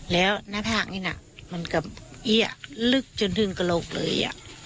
แล้วหน้าผากนี่น่ะมันกับเอี้ยลึกจนถึงกระโหลกเลย